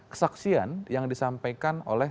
kesaksian yang disampaikan oleh